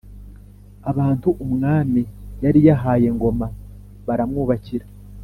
abantu umwami yari yahaye Ngoma baramwubakira.